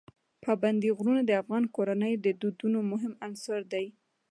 پابندي غرونه د افغان کورنیو د دودونو مهم عنصر دی.